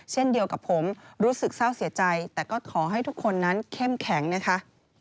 เช่นเดียวกับผมรู้สึกเศร้าเสียใจแต่ก็ขอให้ทุกคนนั้นเข้มแข็งนะคะ